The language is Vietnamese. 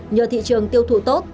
nhờ thị trường tiêu thụ tốt